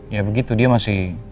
ya begitu dia masih